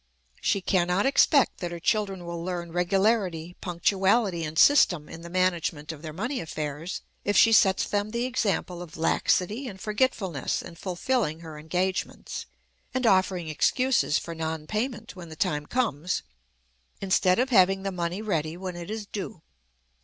She can not expect that her children will learn regularity, punctuality, and system in the management of their money affairs, if she sets them the example of laxity and forgetfulness in fulfilling her engagements, and offering excuses for non payment when the time comes, instead of having the money ready when it is due.